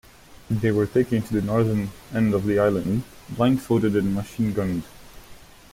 They were taken to the northern end of the island, blindfolded and machine-gunned.